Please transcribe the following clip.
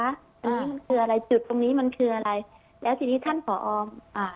ตรงนี้มันคืออะไรจุดตรงนี้มันคืออะไรแล้วทีนี้ท่านผออ่า